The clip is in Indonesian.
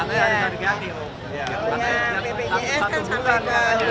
bpjs kan sampai ke luar gitu